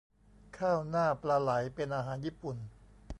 ข้าวหน้าปลาไหลเป็นอาหารญี่ปุ่น